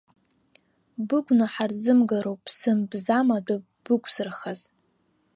Быгәнаҳа рзымгароуп ԥсым-бзам адәы бықәзырхаз.